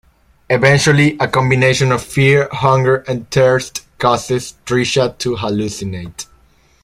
Eventually, a combination of fear, hunger, and thirst causes Trisha to hallucinate.